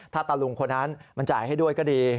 ถ้าตะลุงคนนั้นมันจ่ายให้ด้วยก็ดี